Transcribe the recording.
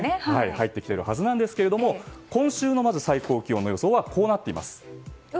入ってきているはずですが今週のまず最高気温の予想はこうなってきています。